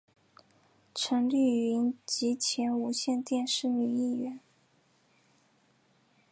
陈丽云及前无线电视女艺员。